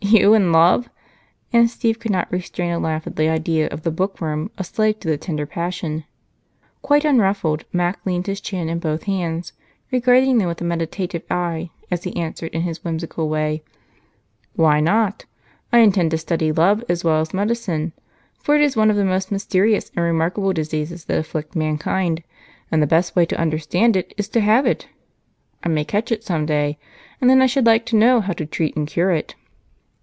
"You in love!" And Steve could not restrain a laugh at the idea of the bookworm a slave to the tender passion. Quite unruffled, Mac leaned his chin in both hands, regarding them with a meditative eye as he answered in his whimsical way: "Why not? I intend to study love as well as medicine, for it is one of the most mysterious and remarkable diseases that afflict mankind, and the best way to understand it is to have it. I may catch it someday, and then I should like to know how to treat and cure it."